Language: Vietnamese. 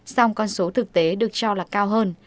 song con số thực tế được cho là cao hơn